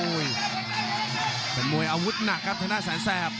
โอ้โหเป็นมวยอาวุธหนักครับท่านหน้าแสนแสบ